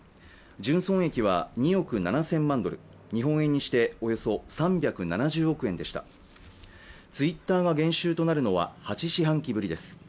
純損益は２億７０００万ドル、日本円にしておよそ３７０億円でしたツイッターが減収となるのは８四半期ぶりです。